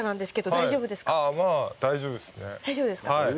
大丈夫ですか？